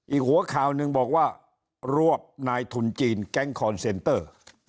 อีกหัวข่าวหนึ่งบอกว่ารวบนายทุนจีนแก๊งคอนเซนเตอร์